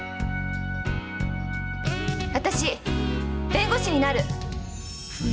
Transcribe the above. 私弁護士になる！